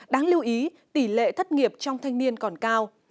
đáng lưu ý tỷ lệ thất nghiệp trong thanh niên còn cao